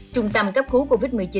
trung tâm cấp cứu covid một mươi chín